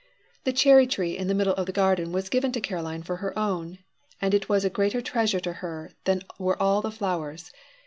The cherry tree in the middle of the garden was given to Caroline for her own, and it was a greater treasure to her than were all the flowers.